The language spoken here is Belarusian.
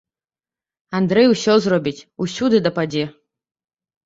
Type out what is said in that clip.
Андрэй усё зробіць, усюды дападзе.